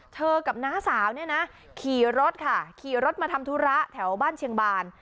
กับน้าสาวเนี่ยนะขี่รถค่ะขี่รถมาทำธุระแถวบ้านเชียงบาน